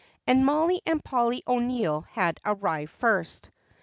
And Mollie and Polly O'Neill had arrived first.